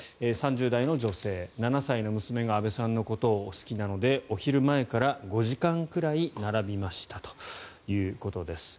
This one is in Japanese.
３０代の女性７歳の娘が安倍さんのことを好きなのでお昼前から５時間くらい並びましたということです。